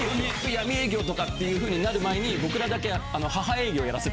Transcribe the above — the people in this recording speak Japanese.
闇営業とかっていう風になる前に僕らだけ。